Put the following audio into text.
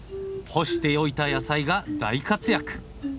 干しておいた野菜が大活躍。